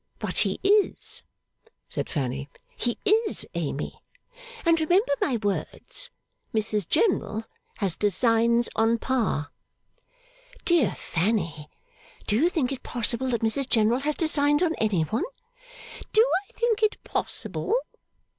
But he is,' said Fanny. 'He is, Amy. And remember my words. Mrs General has designs on Pa!' 'Dear Fanny, do you think it possible that Mrs General has designs on any one?' 'Do I think it possible?